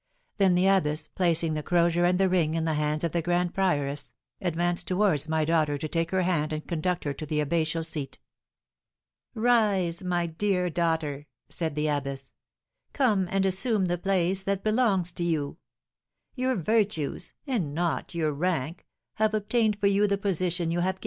Then the abbess, placing the crozier and the ring in the hands of the grand prioress, advanced towards my daughter to take her hand and conduct her to the abbatial seat. "Rise, my dear daughter," said the abbess; "come and assume the place that belongs to you. Your virtues, and not your rank, have obtained for you the position you have gained."